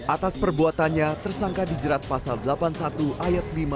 atas perbuatannya tersangka dijerat pasal delapan puluh satu ayat lima